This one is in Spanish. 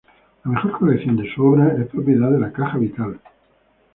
La mejor colección de su obra es propiedad de la Caja Vital.